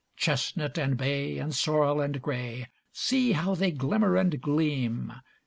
Chestnut and bay, and sorrel and gray, See how they glimmer and gleam!